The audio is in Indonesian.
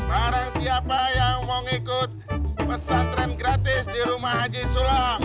barang siapa yang mau ikut pesantren gratis di rumah haji sula